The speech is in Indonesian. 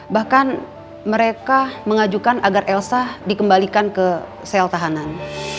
bahkan mereka mengajukan agar elsa dikembalikan ke sel tahanan